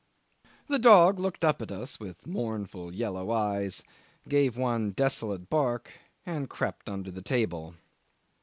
The dog looked up at us with mournful yellow eyes, gave one desolate bark, and crept under the table.